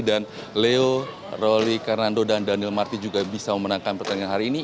dan leo roli carnando dan daniel martin juga bisa memenangkan pertandingan hari ini